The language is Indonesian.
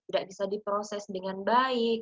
gak bisa diproses dengan baik